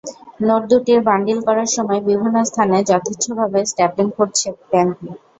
Note দুটির bundle করার সময় বিভিন্ন স্থানে যথেচ্ছভাবে স্ট্যাপলিং করছে ব্যাংকগুলো।